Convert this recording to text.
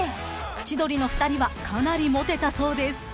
［千鳥の２人はかなりモテたそうです］